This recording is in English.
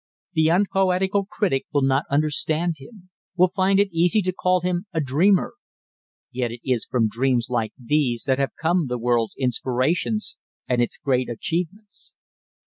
The unpoetical critic will not understand him, will find it easy to call him a dreamer; yet it is from dreams like these that have come the world's inspirations and its great achievements."